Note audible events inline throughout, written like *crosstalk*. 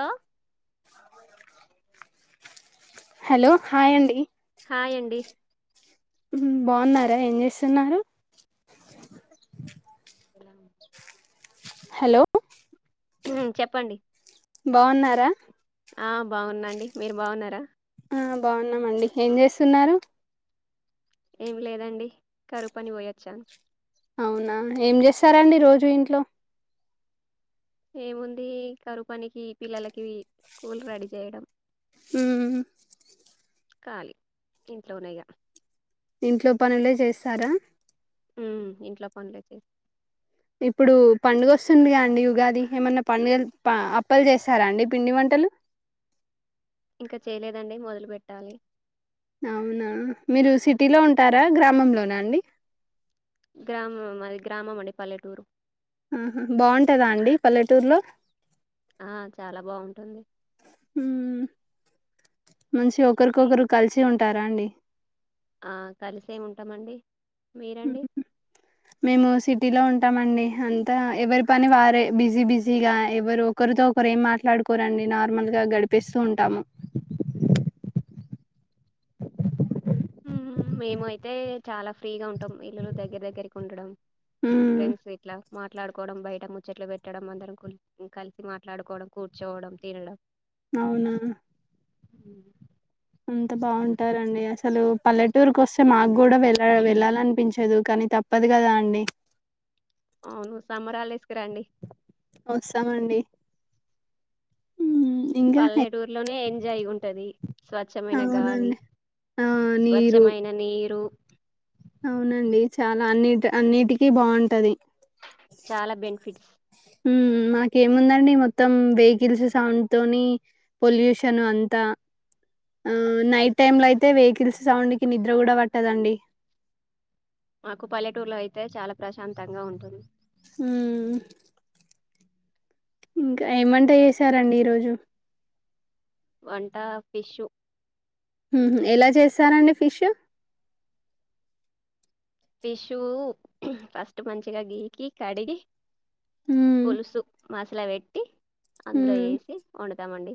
అన్న hello hi అండి hi అండి బాగున్నారా ఏం చేస్తున్నారు అ హలో మ్మ్ చెప్పండి బావున్నారా ఆ బాగున్నాండి మీరు బాగున్నారా ఆ బాగున్నామండి ఏం చేస్తున్నారు ఏమి లేదండి కరువుపని పోయొచ్చాను అవునా ఏం చేస్తారండి రోజు ఇంట్లో ఏముంది కరువు పనికి పిల్లలకి స్కూల్ రెడీ చేయడం మ్మ్ కాలీ ఇంట్లో నేగా ఇంట్లో పనులే చేస్తారా మ్మ్ ఇంట్లో పనులే చేసి ఇప్పుడు పండుగ వస్తుందిగా అండి ఉగాది ఏమన్నా పనిచే అప్పలు చేస్తారా అండి పిండి వంటలు ఇంకా చేయలేదండి మొదలు పెట్టాలి అవునా మీరు సిటీలో ఉంటారా గ్రామంలోనా అండి గ్రామం మాది గ్రామం అండి పల్లెటూరు ఆహా బాగుంటదా అండి పల్లెటూరులో ఆ చాలా బాగుంటుంది మ్మ్ మంచిగా మీ ఒకరికొకరు కలిసి ఉంట్ ఆ రండి ఆ కలిసే వుంటామండి మీరండి సిటిలో ఉంటామండి ఇంకా ఎవరి పని వారే బిజీ బిజీగా ఎవరు ఒకరితో ఒకరు ఏం మాట్లాడుకోరండి నార్మల్గా గడిపిస్తూ ఉంటాము మేము అయితే చాలా ఫ్రీగా ఉంటాం ఇల్లులు దగ్గర దగ్గరకి ఉండడం హ్మ్ ఫ్రెండ్స్ ఇట్లా మాట్లాడుకోవడం బయట ముచ్చట్లు పెట్టడం అందరం కలిసి మాట్లాడుకోవడం కూర్చోవడం తినడం అవునా మ్ అంత బాగుంటారండి అసలు పల్లెటూరుకి వస్తే మా కూడా వెళ్ళ వెళ్ళాలనిపించదు కానీ తప్పదు కదా అండి అవును సమ్మర్ హాలిడేస్ కి రండి వస్తామండి ఇంకా పల్లెటూరులోనే ఎంజాయ్ జయిం టది స్వచ్ఛమైన గాలి అవునండి ఆ నీరు స్వచ్ఛమైన నీరు అవునండి చాలా అన్నిటి అన్నిటికీ బావుంటది చాలా బెనిఫిట్స్ ఉమ్ మాకేముందండి మొత్తం వెహికల్స్ సౌండ్ తోని పొల్యూషన్ అంతా ఆ నైట్ టైమ్ లో అయితే వెహికల్స్ సౌండ్ కి నిద్ర కూడా పట్టదండి మాకు పల్లెటూర్లో అయితే చాలా ప్రశాంతంగా ఉంటుంది ఊ ఇంకా ఏం వంట చేశారండి ఈరోజు వంట ఫిష్షు ఊహూ ఎలా చేస్తారండి ఫిష్షు ఫిష్షు ఫస్ట్ మంచిగా గీకి కడిగి మ్మ్ పులుసు మస్ల వెట్టి అందులో మ్మ్ ఏసి వండు టామండి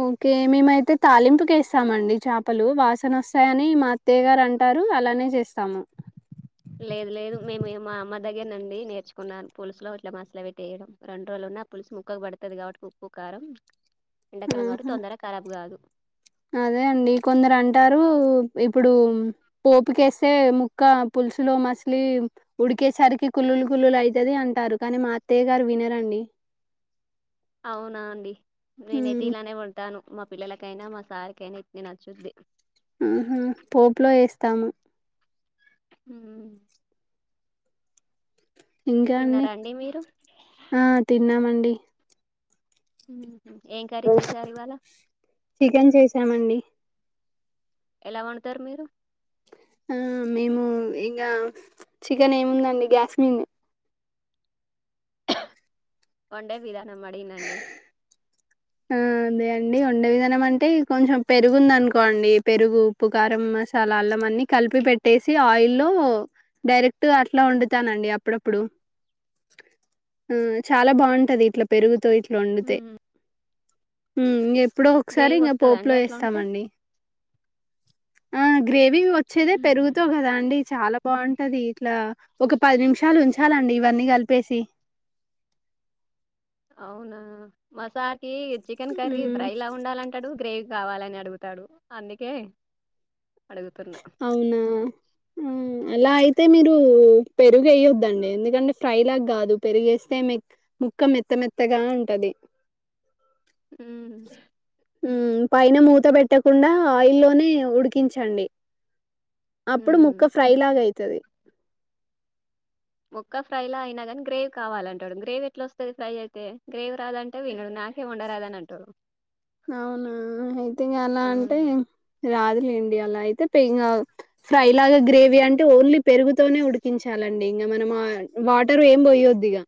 ఓకే మేమైతే తాలింపుకేస్తామండి చేపలు వాసనొస్తాయని మా అత్తయ్య గారు అంటారు అలానే చేస్తాము లేదు లేదు మేము ఇగ మా అమ్మ దగ్గర నుండి నేర్చుకున్నాను పులుసులో అట్లా మసలు పెట్టేయడం రెండు రోజులు ఉన్నా పులుసు ముక్కకు పడుతుది కాబట్టి ఉప్పు కారం ఎండాకాలం కాబట్టి ఆహా తొందరగా ఖరాబ్ గాదు అదే అండి కొందరు అంటారు ఇప్పుడు పోపుకేస్తే ముక్క పులుసులో మసిలి ఉడికేసరికి కుళ్లులు కుళ్లులు ఐతుది అంటారు కానీ మా అత్తయ్య గారు వినరండి అవునా అండి నేనైతే మ్మ్ ఇలానే ఉంటాను మా పిల్లలకైనా మా సారు కైనా ఇట్నే నచ్చుద్ది ఊహూ పోపులో ఏస్తాము ఊహూ ఇంకా అండి తిన్నారా మీరు ఆ తిన్నామండి ఊ ఓస్ చికెన్ చేసామండి ఎలా వండుతారు మీరు ఉమ్ మేము ఇగ చికెన్ ఏముందండి గ్యాస్మిన్ వండే విధానం అడిగినా అండి ఊ అదే అండి వండే విధానం అంటే కొంచెం పెరుగుంది అనుకోండి పెరుగు ఉప్పు కారం మసాలా అల్లం అన్నీ కలిపి పెట్టేసి ఆయిల్లో డైరెక్ట్ అట్లా వండుతానండి అప్పుడప్పుడు ఊ చాలా బావుంటది ఇట్లా పెరుగుతో ఇట్ల్ ట్లొండుతే ఇంక ఎప్పుడో ఒకసారి గ్రేవీ ఇంకా వస్తదా పోపులో అండి అట్లా వండితే వేస్తామండి ఆ గ్రేవీ వచ్చేదే పెరుగుత కదా అండి చాలా బాగుంటది ఇట్లా ఒక పది నిమిషాలు ఉంచాలండి ఇవన్నీ కలిపేసి అవునా మసాల ఈ చికెన్ కర్రీ మ్మ్ ఫ్రై లా ఉండాలంటాడు గ్రేవీ కావాలని అడుగుతాడు అందుకే అడుగుతున్నా అవునా ఆ అలా అయితే మీరు పెరుగుయొద్దండి ఎందుకంటే ఫ్రై లాగా కాదు పెరుగు వేస్తే ముక్క మెత్త మెత్తగా ఉంటది ఉమ్ ఉమ్ పైన మూత పెట్టకుండా ఆయిల్లోనే ఉడికించండి. అప్పుడు హ్మ్ ముక్క ఫ్రై లాగ అయిత్ తదే ఒక్క ఫ్రై లో అయినా కాగాని గ్రేవ్ కావాలంటాడు గ్రేవీ ఎట్లా వస్తుంది ఫ్రై అయితే గ్రేవ్ రాదంటే వీడు నాకే వండరాదని అంటడు. అవునా అయితే అలా ఆ అంటే రాదులేండి అలా అయితే పే ఇంగ ఫ్రై లాగా గ్రేవీ అంటే ఓన్లీ పెరుగుతోనే ఉడికించాలండి ఇంగ మనం వాటర్ ఏం పోయద్దు ఇగ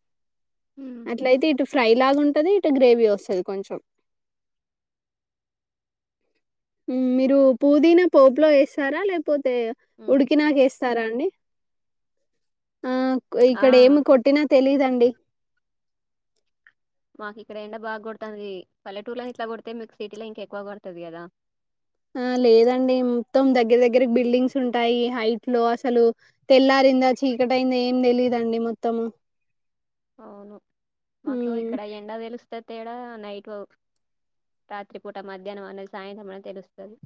హ్మ్ అట్లా అయితే ఇటు ఫ్రై లాగా ఉంటది ఇటు గ్రేవీ వస్తది కొంచెం మీరు పుదీనా పోపులో వేస్తారా లేక్ పోతే ఉడికినాకేస్త సారా అండి ఆ క్ ఆ ఇక్కడ ఏమి కొట్టినా తెలీదన్ అండి మాకు ఇక్కడ ఎండ బాగా కొడుతంది. పల్లెటూరులో ఇట్లా కొడితే మీకు సిటీలో ఇంకా ఎక్కువ కొడుతుంది కదా ఆ లేదండి మొత్తం దగ్గర దగ్గ దగ్గర బిల్డింగ్స్ ఉంటాయి హైట్ లో అసలు తెల్లారిందా చీకటి అయింద ఏం తేలిదండి మొత్తము అవును మాకు హ్మ్. ఇక్కడ ఎండ తెలుస్తు కొత్త తేడా నైట్ రాత్రి పూట మధ్యాహ్నం అనేది సాయంత్రం అనీ తెలుస్తది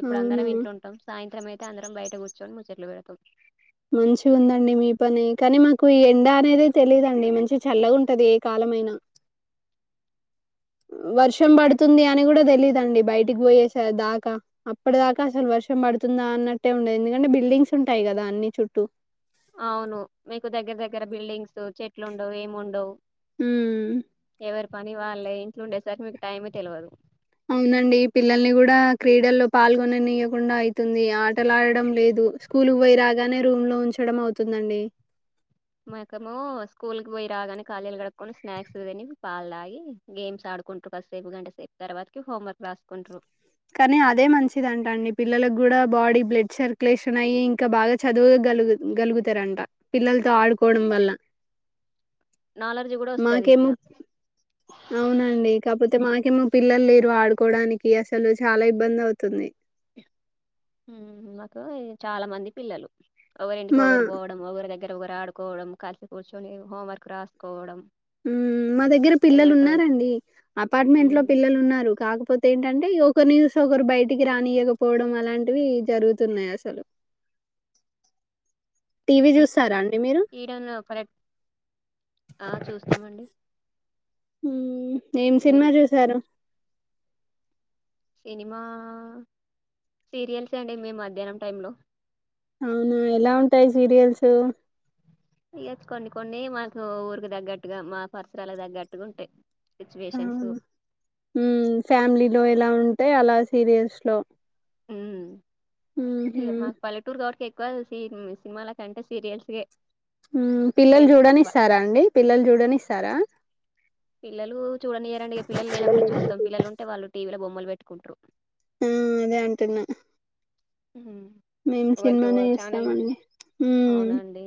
ఇప్పుడు అవునా! అందరం ఇంట్ల ఉంటాం సాయంత్ సాయంత్రం అందరం బయట కూర్చొని ముచ్చట్లు పెడతాం. మంచిగ ఉందండి మీ పనే కానీ మాకు ఈ ఎండ అనేది తెలిదండి మంచి చల్లగా ఉంటది ఏ కాలమైనా వర్షం పడుతుంది అని కూడా తెలీదండి బయటికి పోయేస దాకా అప్పటి దాకా అసలు వర్షం పడుతుందా అన్నట్టే ఉండదు ఎందుకంటే బిల్డింగ్స్ ఉంటాయి కదా అన్ని చుట్టూ అవును మీకు దగ్గర దగ్గర బిల్డింగ్స్ చెట్లు ఉండవు ఏమి ఉండవు. హ్మ్ ఎవరి పని వాళ్ళ ఇంట్లో ఉండేసరికి మీకు టైం తెలవదు. అవునండి పిల్లల్ని కూడా క్రీడల్లో పాల్గొననియం కుండా అవుతుంది ఆటలా ఆడడం లేదు స్కూల్ పోయి రాగానే రూమ్ లో ఉంచడం అవుతుందండి. మకము స్కూల్ కి పోయి రాగానే కాల్చేయిలు కడుక్కొని స్నాక్స్ దీని పాలు తాగి గేమ్స్ ఆడుకుంట్రూ కాసేపు గంట సేపు తర్వాతకి హోమ్వర్క్ రాసుకుంట్రూ కానీ అదే మంచిదంట అండి పిల్లలకు కూడా బాడీ బ్లడ్ సర్క్యులేషన్ అయ్యి ఇంకా బాగా చదువగలుగు గలుగుతారంట పిల్లలతో ఆడుకోవడం వల్ల నాలెడ్జ్ కూడా వస్తది మాకేమో ఇట్లా అవునండి కాపోతే మాక మ పిల్లలు లేరు ఆడుకోవడానికి అస్ చలు చాలా ఇబ్బంది అవుతుంది. నాకు చాలా మంది పిల్లలు ఒకవరింటికి మా ఒకరు పోవడం ఒకరి దగ్గ దగ్గర ఒకరు ఆడుకోవడం కలిసి కూర్చొని హోంవర్క్ రాసుకోవడం మా దగ్గర పిల్లలు ఎవరితో ఉన్నారండి అపార్ట్మెంట్ లో ఉమ్, పిల్లలు ఉన్నారు కాకపో కాకపోతే ఏంటంటే ఒకరి యూస్ ఒకరు బయటికి రానియకపోవడం అలాంటివి జరుగుతున్నాయి అసలు టీవీ చూస్తారాండి ఈ రెన్న ప ఆ చూస్తామండి హ ఏం మీరు సినిమా చూసారు సినిమా సీరియల్స్ అండి మేము మధ్యాహ్నం టైంలో అవునా ఎలా ఉంటాయి సీరియల్స్ ఇచ్చుకోండి కొన్ని మనకు ఊరికి తగ్గట్టుగా మా పరిసరాలకు తగ్గట్టుగా ఉంటాయి సిచ్యువేషన్స్ మ్ ఫ్యామిలీలో ఎలా ఉ అంటే అలా సీరియల్స్ లో మ్ అమ్మా పల్లెటూర్ కా *unintelligible* సినిమాల కంటే సీరియల్స్గా మ్ పిల్లలు చూడని ఇస్తారా అండి పిల్లలు చూడనిస్తారా పిల్లలు చూడనియారండి పిల్లలు లేనపుడే చూస్తాం పిల్లలుంటే వాళ్ళు టీల బొమ్మలు పెట్టుకుంట్రు మ్ అదే అంటున్న ఉమ్ మేము ఎవరికి ఓ సినిమానే ఛానలు ఇస్తామండి మ్ అవునండి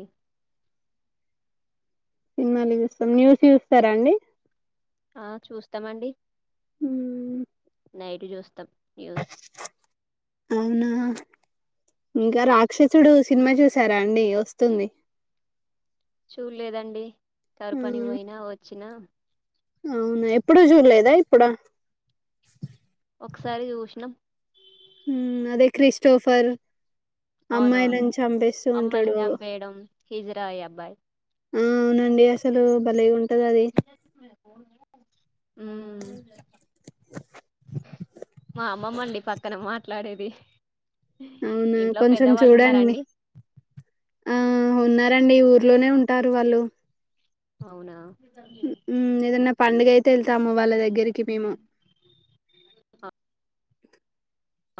సినిమాలు చూస్తాం న్యూస్ చూస్తారా అండి ఆ చూస్తామండి మ్ నైట్ చూస్తాం న్యూస్ అవునా ఇంకా రాక్షసుడు సినిమా చూసారా అండి వస్తుంది చూలేదండి ఆ! తరు పని పోయినా వచ్చిన అవునా ఎప్పుడుూ చూడలేదా ఇప్పుడు ఒకసారి చూసినాం అదే క్రిస్టోఫర్ అవునవును అమ్మాయిలను చంపేస్తూ ఉంటాడు. అమ్మాయిలను చంపేయడం హిజరాయ అబ్బాయి ఆ అవునండి అసలు బలే ఉంట అదే మా అమ్మమ్మండి పక్కన మాట్లాడేది అవునా ఇంట్లో కొంచెం పెద్దవాళ్ళు చూడండి ఉన్నారండి ఆ ఉన్నా రండి ఊర్లోనే ఉంటారు వాళ్ళు అవునా ఉ ఎదన్న పండుగయితే వెళ్తాము వాళ్ళ దగ్గరికి దగ్గరికి మేము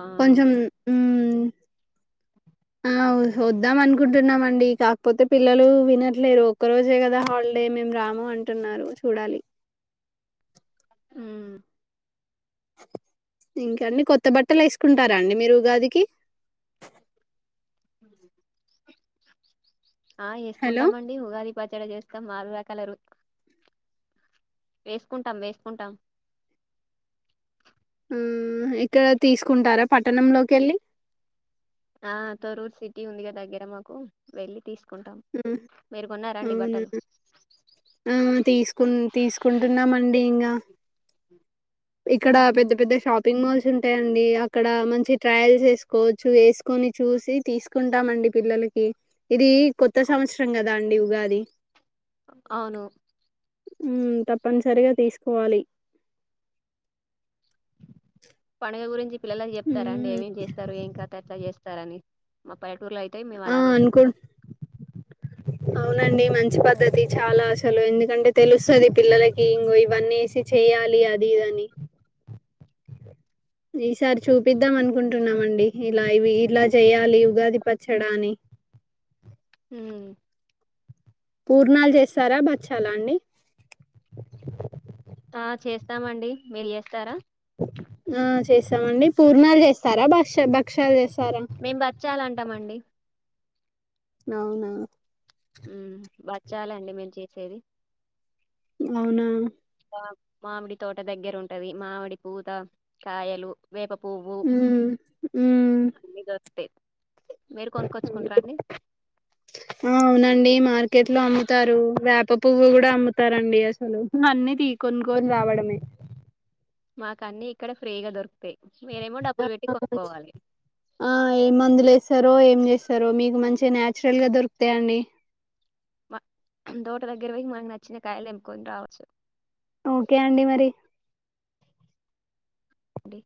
ఆ కొంచం ఉ ఆ వద్దాం అనుకుంటున్నామండి. కాకపోతే పిల్లలు వినట్లేరు ఒక్క రోజే కదా హాలిడే మేము రాము అంటున్నారు. చూడాలి ఆ ఇంకాండి కొత్త బట్టలు వేసుకుంటారా అండి మీరు ఉగాదికి ఉ *inaudible* ఆ హలో వేసుకుంటామండి ఉగాది పచ్చడ చేస్తాం ఆరు రకాల రు వేసుకుంటాం వేసుకుంటాం ఆ ఇక్కడ తీసుకుంటారా పట్టణంలోకి వెళ్ళి ఆ తొరూర్ సిటీ ఉందిగా దగ్గర మాకు వెళ్ళి తీసు కుంటాం ఉమ్, మీరు కొన్నారండి అవునా బట్టలు ఆ తీసుకు తీసుకుంటున్నామండి ఇంగా హ *unintelligible* ఇక్కడ పెద్ద పెద్ద షాప్ షాపింగ్ మాల్స్ ఉంటాయండి అక్కడ మంచి ట్రయల్స్ వేసుకోవచ్చు వేసుకొని చూసి తీసుకుంటామండి పిల్లలకి ఇది కొత్త అవును సంవత్సరం గదా అండి ఉగాది అవును ఉ తప్పనిసరిగా తీసుకోవాలి పండగ గురించి పిల్లలకి చెప్తార అండి ఉమ్, ఎం ఎం చేస్తారు ఏం కథ ఎట్ల జేస్ స్తారాని ముప్పయిక్ *unintelligible* సుతి అయితే మేము ఆ అలాగే అనుకు చెప్తాం అవునండి మంచి పద్ద్దతి చాలా అసలు ఎందుకంటే తెలుస్తది పిల్లలకి ఇంగొ ఇవన్నీ ఏసి చెయాలి అది ఇదని ఈసారి చూపిద్దాం అనుకుంటున్నామండి ఇలా ఇవి ఇలా చెయాలి ఉగాది పచ్చడా అని హు పూర్ణాలు చేస్తారా బచ్చాల అండి ఆ చేస్తామండి మీరు చేస్తారా ఆ చేస్తామండి పూర్ణలు జేస్తారా భక్ష బక్షల్ జెస్ మేం బచ్చాలన్ తమండి అవునా ఉమ్ బచ్చాలండి మేము చేసేది అవునా మాకు మామిడి తోట దగ్గర ఉంటది మామిడి పూత కాయలు వేప పువ్వు ఉ ఉ తే ఆ అవునండి మార్కెట్ లో అమ్ముతారు వేప పువ్వు కూడా అమ్ముతారండి అసలు అన్ని తీ కొనుక్కొని రావడమే మాక అన్నీ ఇక్కడ ఫ్రీగా దొరుకుతాయి మీరేమో డబ్బులు పెట్టి కొనుక్కోవాలి ఆ ఏ మందు లేస్తారో ఏం చేస్తారో మీకు మంచి తే నచురల్ గా దొరుకుతాయి అండి మ తోట దగ్గరకి వోయి మనకి నచ్చిన కాయలు తెంప్కొని రావచ్చు ఓకే అండి మరి అండి